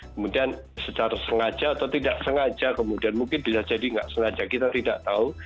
kemudian secara sengaja atau tidak sengaja kemudian mungkin bisa jadi tidak sengaja kita tidak tahu